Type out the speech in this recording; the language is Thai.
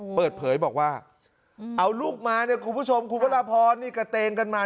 เปิดเผยบอกว่าเอาลูกมาเนี่ยคุณผู้ชมคุณพระราพรนี่กระเตงกันมา